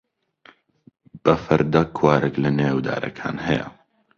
بە فەردە قوارگ لەنێو دارەکان هەیە.